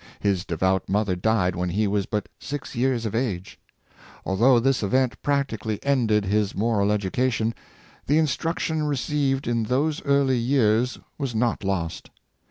His devout mother died when he was but six years of age. Although this event practically ended his moral education, the instruction received in those early years was not lost.